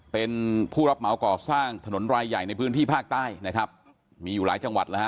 เป็นผู้รับเหมาก่อสร้างถนนรายใหญ่ในพื้นที่ภาคใต้นะครับมีอยู่หลายจังหวัดแล้วฮ